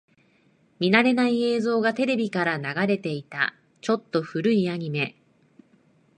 見慣れない映像がテレビから流れていた。ちょっと古いアニメ。